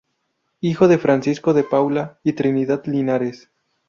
Hijo de Francisco de Paula y Trinidad Linares.